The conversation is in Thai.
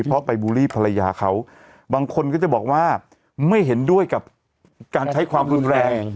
เพราะไปบูลลี่ภรรยาเขาบางคนก็จะบอกว่าไม่เห็นด้วยกับการใช้ความรุนแรง